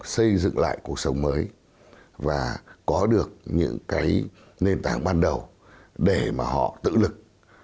xây dựng lại cuộc sống mới và có được những cái nền tảng ban đầu để mà họ tự lực